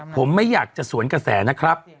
ผมไม่อยากจะสวนกระแสนะครับ